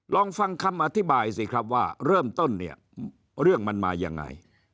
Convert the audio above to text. ลองฟังคำอธิบายสิครับว่าเริ่มต้นเนี่ยเรื่องมันมายังไง